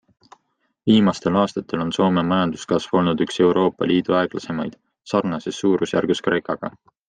Viimastel aastatel on Soome majanduskasv olnud üks Euroopa Liidu aeglasemaid, sarnases suurusjärgus Kreekaga.